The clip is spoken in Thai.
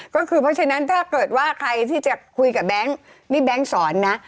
ก็คือเพราะฉะนั้นถ้าเกิดว่าใครที่จะคุยกับแบงค์นี่แบงค์สอนนะ